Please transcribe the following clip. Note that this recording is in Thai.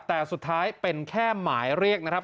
แต่สุดท้ายเป็นแค่หมายเรียกนะครับ